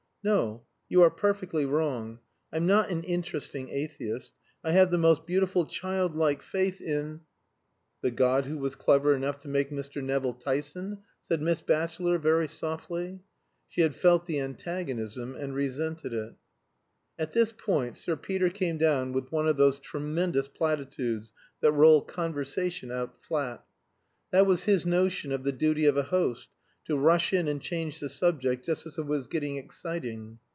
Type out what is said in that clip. "No; you are perfectly wrong. I'm not an interesting atheist. I have the most beautiful child like faith in " "The God who was clever enough to make Mr. Nevill Tyson?" said Miss Batchelor, very softly. She had felt the antagonism, and resented it. At this point Sir Peter came down with one of those tremendous platitudes that roll conversation out flat. That was his notion of the duty of a host, to rush in and change the subject just as it was getting exciting.